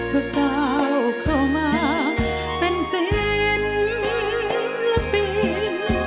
ทุกข้าวเข้ามาเป็นเสียงละปิน